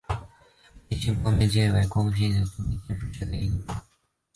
变形光面介为光面介科光面介属下的一个种。